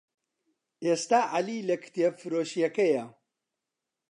ئێستا عەلی لە کتێبفرۆشییەکەیە.